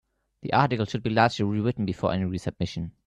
The article should be largely rewritten before any resubmission.